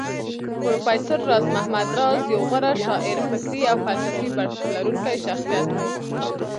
پروفېسر راز محمد راز يو غوره شاعر فکري او فلسفي بنسټ لرونکی شخصيت و